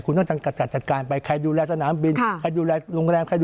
คุณต้องจัดจัดการไปใครดูแลสนามบินใครดูแลโรงแรมใคร